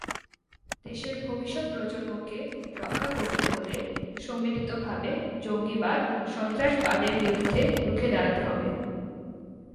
দেশের ভবিষ্যৎ প্রজন্মকে রক্ষা করতে হলে সম্মিলিতভাবে জঙ্গিবাদ-সন্ত্রাসবাদের বিরুদ্ধে রুখে দাঁড়াতে হবে।